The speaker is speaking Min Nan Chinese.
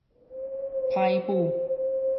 歹舞